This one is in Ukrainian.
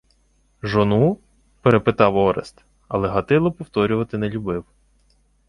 — Жону? — перепитав Орест, але Гатило повторювати не любив.